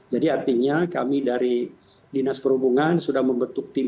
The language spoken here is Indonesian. jadi artinya kami dari dinas perhubungan sudah membentuk tim